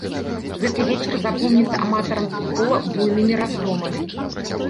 Гэты вечар запомніцца аматарам футбола буйнымі разгромамі.